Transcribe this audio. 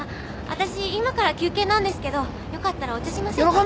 私今から休憩なんですけどよかったらお茶しませんか？